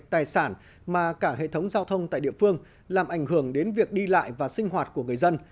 tài sản mà cả hệ thống giao thông tại địa phương làm ảnh hưởng đến việc đi lại và sinh hoạt của người dân